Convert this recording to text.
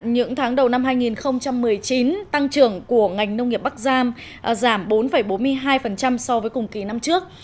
những tháng đầu năm hai nghìn một mươi chín tăng trưởng của ngành nông nghiệp bắc giang giảm bốn bốn mươi hai so với cùng kỳ năm trước